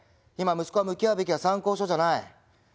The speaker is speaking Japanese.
今息子が向き合うべきは参考書じゃない。